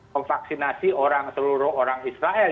memvaksinasi orang seluruh orang israel